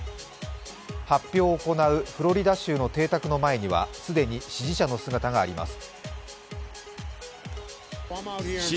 発表を行うフロリダ州の邸宅の前には、既に支持者の姿があります。